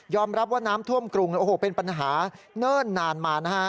ยอมรับว่าน้ำท่วมกรุงเป็นปัญหาเนิ่นนานมา